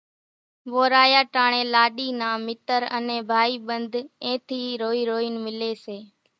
وورايا ٽاڻيَ لاڏِي نان مِتر انين ڀائِي ٻنڌ اين ٿِي روئِي روئينَ مِليَ سي۔